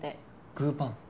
グーパン。